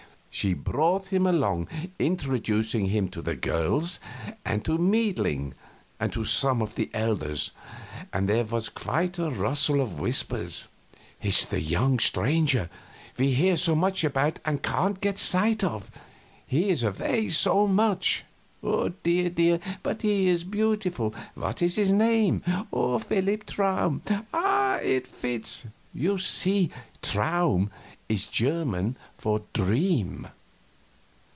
She brought him along, introducing him to the girls, and to Meidling, and to some of the elders; and there was quite a rustle of whispers: "It's the young stranger we hear so much about and can't get sight of, he is away so much." "Dear, dear, but he is beautiful what is his name?" "Philip Traum." "Ah, it fits him!" (You see, "Traum" is German for "Dream.")